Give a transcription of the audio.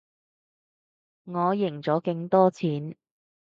我贏咗勁多錢